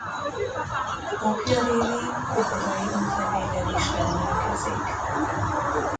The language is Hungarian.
Apja révén kanadai útlevéllel is rendelkezik.